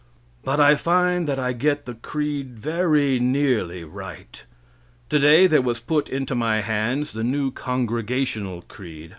But I find that I get the creed very nearly right. Today there was put into my hands the new Congregational creed.